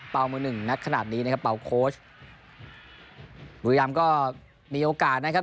มือหนึ่งนักขนาดนี้นะครับเป่าโค้ชบุรีรำก็มีโอกาสนะครับ